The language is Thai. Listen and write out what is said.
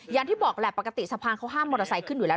อย่างที่บอกแหละปกติสะพานเขาห้ามมอเตอร์ไซค์ขึ้นอยู่แล้ว